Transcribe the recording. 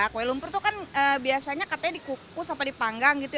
kue lumpur itu kan biasanya katanya dikukus apa dipanggang gitu